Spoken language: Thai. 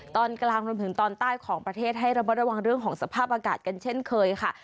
ตอนกลางรวมถึงตอนใต้ของประเทศให้ระมัดระวังเรื่องของสภาพอากาศกันเช่นเคยค่ะ